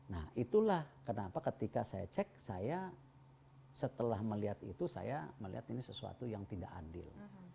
nah itulah kenapa ketika saya cek saya setelah melihat itu saya melihat ini sesuatu yang tidak adil